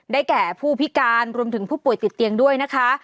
แก่ผู้พิการรวมถึงผู้ป่วยติดเตียงด้วยนะคะ